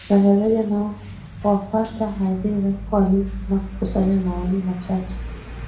mtangazaji anawafata hadhira walipo na kuksanya maoni machache